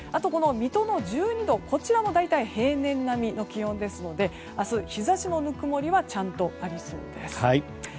水戸の１２度はこちらも大体平年並みの気温ですので明日、日差しのぬくもりはちゃんとありそうです。